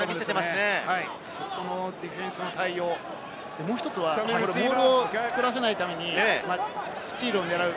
そこのディフェンスの対応、もう１つはモールを作らせないためにスティールを狙う。